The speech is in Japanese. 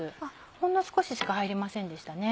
ほんの少ししか入りませんでしたね。